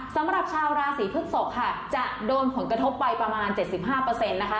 สำหรับชาวราศีพึกศกค่ะจะโดนผลกระทบไปประมาณเจ็ดสิบห้าเปอร์เซ็นต์นะคะ